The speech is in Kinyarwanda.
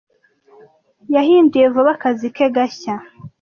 Yahinduye vuba akazi ke gashya.